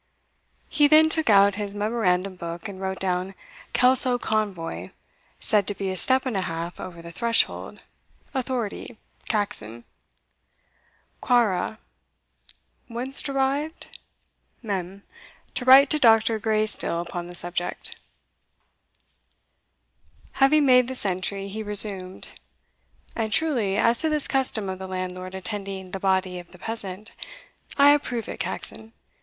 He then took out his memorandum book and wrote down "Kelso convoy said to be a step and a half over the threshold. Authority Caxon. Quaere Whence derived? Mem. To write to Dr. Graysteel upon the subject." Having made this entry, he resumed "And truly, as to this custom of the landlord attending the body of the peasant, I approve it, Caxon.